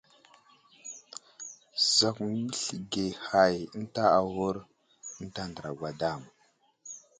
Zakw aməslige hay ənta aghur ənta andra gwadam.